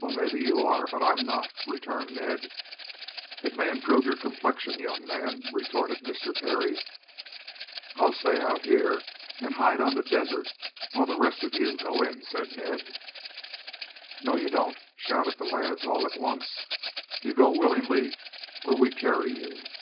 "Well, maybe you are, but I'm not," returned Ned. "It may improve your complexion, young man," retorted Mr. Parry. "I'll stay out here and hide on the desert while the rest of you go on in," said Ned. "No, you don't," shouted the lads all at once. "You go willingly or we carry you."